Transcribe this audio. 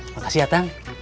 makasih ya tang